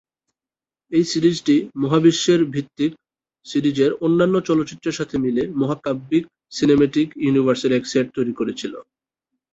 এই সিরিজটি মহাবিশ্বের ভিত্তিক সিরিজের অন্যান্য চলচ্চিত্রের সাথে মিলে মহাকাব্যিক সিনেম্যাটিক ইউনিভার্সের এক সেট তৈরি করেছিল।